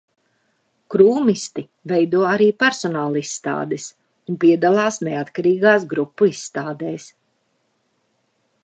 Krūmisti veido arī personālizstādes un piedalās neatkarīgās grupu izstādēs.